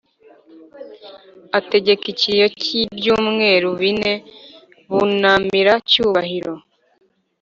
ategeka ikiriyo cyibyumweru bine bunamira Cyubahiro